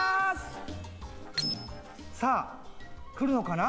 さぁ来るのかな？